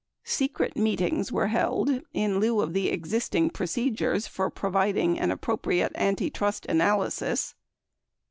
Secret meetings were held in lieu of the existing procedures for providing appropriate antitrust analysis : 2.